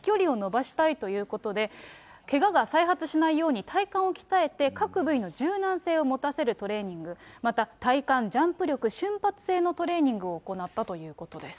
飛距離を伸ばしたいということで、けがが再発しないように、体幹を鍛えて各部位の柔軟性を持たせるトレーニング、また、体幹、ジャンプ力、瞬発性のトレーニングを行ったということです。